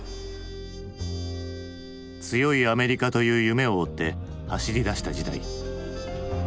強いアメリカという夢を追って走り出した時代。